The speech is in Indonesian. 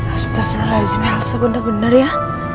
astagfirullahaladzim elsa benar benar ya